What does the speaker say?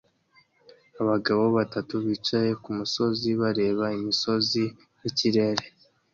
Abagabo batatu bicaye kumusozi bareba imisozi nikirere